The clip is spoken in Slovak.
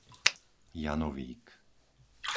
Janovík